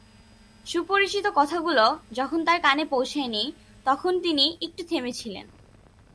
সুপরিচিত কথাগুলো যখন তার কানে পৌঁছায়নি, তখন তিনি একটু থেমেছিলেন।